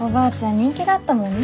人気だったもんね